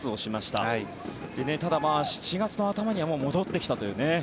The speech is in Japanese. ただ、７月の頭にはもう戻ってきたという。